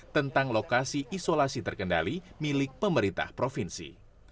tentang lokasi isolasi terkendali milik pemerintah provinsi